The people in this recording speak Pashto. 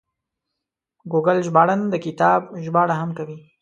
ګوګل ژباړن د کتابونو ژباړه هم کوي.